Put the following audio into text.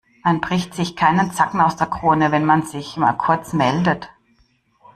Man bricht sich keinen Zacken aus der Krone, wenn man sich mal kurz meldet.